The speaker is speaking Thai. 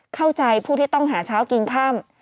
เข้าใจผู้ที่ต้องหาเช้ากินค่ำ